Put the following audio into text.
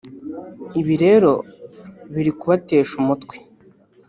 Ibi rero biri kubatesha umutwe